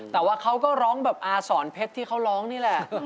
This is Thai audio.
แต่ว่าเขาก็ร้องแบบอาสอนเพชรที่เขาร้องนี่แหละ